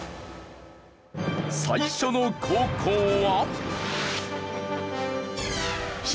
最初の高校は。